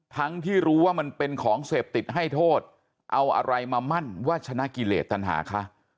ทั้งที่รู้ว่ามันเป็นของเสพติดให้โทษเอาอะไรมามั่นว่าชนะกิเลสตัญหาคะ